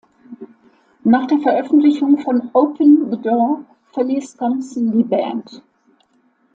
Nach der Veröffentlichung von "Open the Door" verließ Thompson die Band.